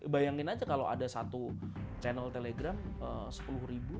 bayangin aja kalau ada satu channel telegram rp sepuluh